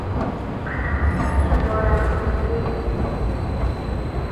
“Qanaqa tafti bor-a!” – oʻyladi bobo.